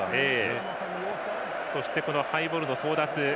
そしてハイボールの争奪。